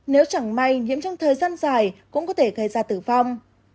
nếu chẳng may nhiễm trong thời gian dài cũng có thể gây ra tử vong